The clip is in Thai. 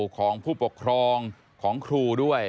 ของผู้ปกครองของครูด้วย